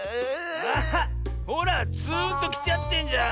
あっほらツーンときちゃってんじゃん。